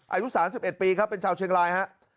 อายุ๓๑ปีครับเป็นชาวเชียงรายฮะ